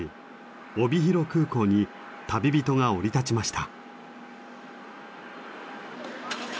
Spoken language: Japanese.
帯広空港に旅人が降り立ちました。